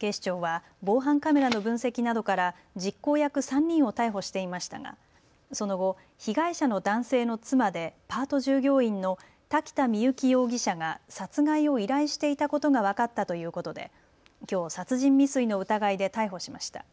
警視庁は防犯カメラの分析などから実行役３人を逮捕していましたがその後、被害者の男性の妻でパート従業員の瀧田深雪容疑者が殺害を依頼していたことが分かったということできょう殺人未遂の疑いで逮捕しました。